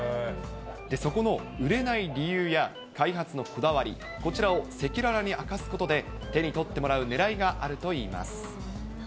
そこの売れない理由や、開発のこだわり、こちらを赤裸々に明かすことで、手に取ってもらうねらいがあるといいます。